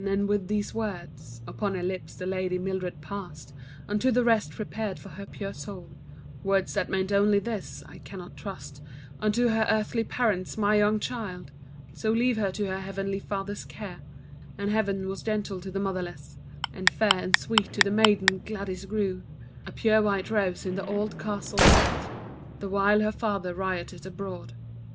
And with these words Upon her lips, the Lady Mildred passed Unto the rest prepared for her pure soul; Words that meant only this: I cannot trust Unto her earthly parent my young child, So leave her to her heavenly Father's care; And Heaven was gentle to the motherless, And fair and sweet the maiden, Gladys, grew, A pure white rose in the old castle set, The while her father rioted abroad.